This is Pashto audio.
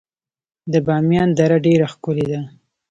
د بامیان دره ډیره ښکلې ده